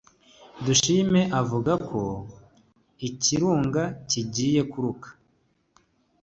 Dr Dushime avuga ko ikirunga kigiye kuruka abantu bahungishwa kandi habaye imyiteguro